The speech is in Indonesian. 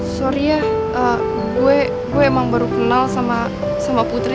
sorry ya gue emang baru kenal sama putri